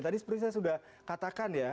tadi seperti saya sudah katakan ya